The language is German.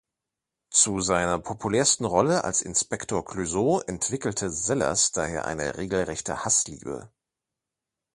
Zu seiner populärsten Rolle als Inspektor Clouseau entwickelte Sellers daher eine regelrechte Hassliebe.